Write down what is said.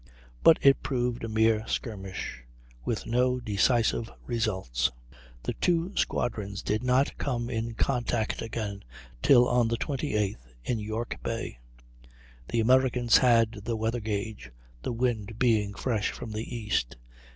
But it proved a mere skirmish, with no decisive results. The two squadrons did not come in contact again till on the 28th, in York Bay. The Americans had the weather gage, the wind being fresh from the east.